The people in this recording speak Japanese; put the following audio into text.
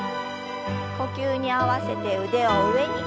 呼吸に合わせて腕を上に。